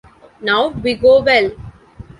Now we go well!